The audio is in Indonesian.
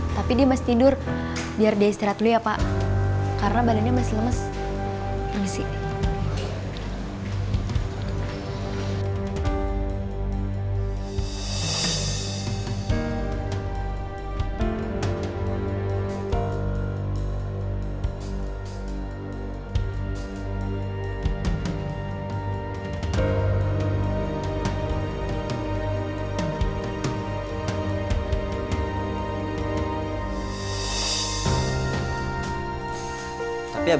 terima kasih ya